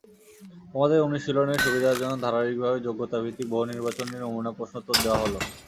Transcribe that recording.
তোমাদের অনুশীলনের সুবিধার জন্য ধারাবাহিকভাবে যোগ্যতাভিত্তিক বহুনির্বাচনি নমুনা প্রশ্নোত্তর দেওয়া হলো।